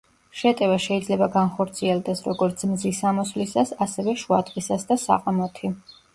შეტევა შეიძლება განხორციელდეს, როგორც მზის ამოსვლისას, ასევე შუადღისას და საღამოთი.